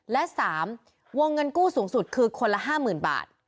และ๓วงเงินกู้สูงสุดคือคนละ๕๐๐๐บาท